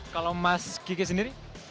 kalau mas kiki sendiri